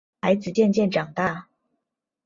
孩子渐渐长大